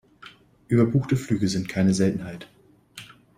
Überbuchte Flüge sind keine Seltenheit.